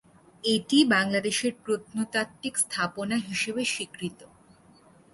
এটি বাংলাদেশের প্রত্নতাত্ত্বিক স্থাপনা হিসেবে স্বীকৃত।